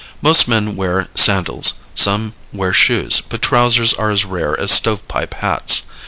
Most men wear sandals; some wear shoes, but trousers are as rare as stovepipe hats.